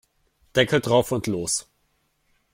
Deckel drauf und los!